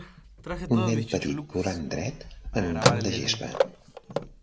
Un nen petit plorant dret en un camp de gespa.